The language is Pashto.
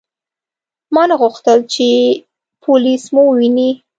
ما نه غوښتل چې پولیس مو وویني.